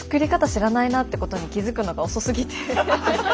知らないなってことに気付くのが遅すぎて。